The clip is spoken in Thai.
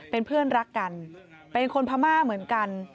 เป็นเพื่อนรักกันเป็นคนพม่าเหมือนกัน